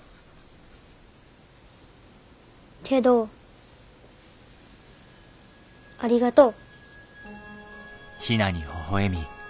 けどありがとう。